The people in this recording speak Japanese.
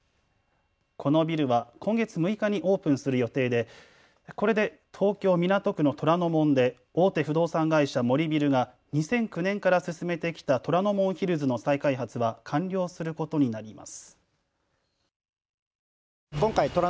このビルは今月６日にオープンする予定でこれで東京港区の虎ノ門で大手不動産会社、森ビルが２００９年から進めてきた虎ノ門ヒルズの再開発は完了することになります。